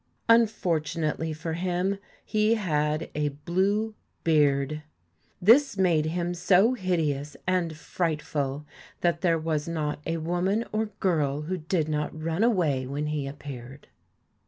Unfortunately for him he had a blue beard. This made him so hideous and frightful, that there was not a woman or girl who did not run away when he appeared.